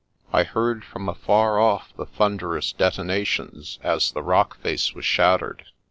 I heard from afar off the thunderous detonations as the rock face was shattered.